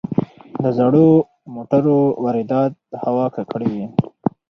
د زړو موټرو واردات هوا ککړوي.